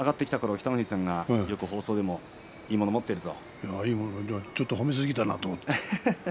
北の富士さんがよく放送でもいいちょっと褒めすぎたなと思って。